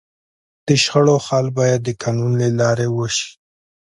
د شخړو حل باید د قانون له لارې وسي.